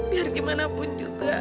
biar bagaimanapun juga